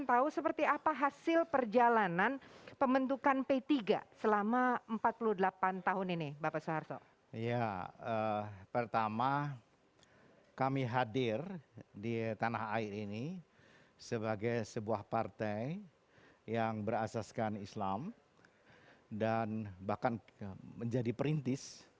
tapi sebelum itu kita saksikan terlebih dahulu penampilan dari sebuah band salah satu yang terbaik di negeri ini